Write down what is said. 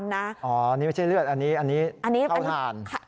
อันนี้ไม่ใช่เลือดอันนี้เข้าทาน